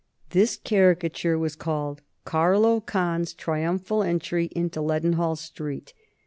This caricature was called "Carlo Khan's Triumphal Entry into Leadenhall Street."